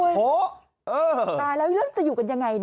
โหตายแล้วเริ่มจะอยู่กันอย่างไร